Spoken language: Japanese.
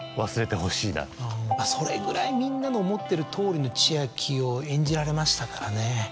それぐらいみんなの思ってるとおりの千秋を演じられましたからね。